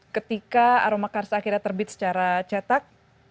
ketika aroma karsa akhirnya terbit secara cetak